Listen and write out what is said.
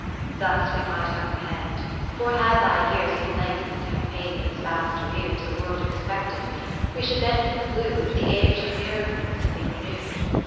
Thus we might apprehend, for had thy years Been lengthen'd to have paid those vast arrears 10 The World expected, we should then conclude. The Age of Miracles had been renew'd.